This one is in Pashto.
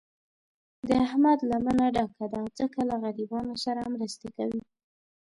د احمد لمنه ډکه ده، ځکه له غریبانو سره مرستې کوي.